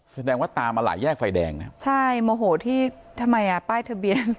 แสดงว่าตามมาหลายแยกไฟแดงนะใช่โมโหที่ทำไมอ่ะป้ายทะเบียน